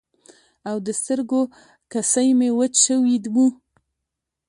او د سترګو کسی مې وچ شوي وو.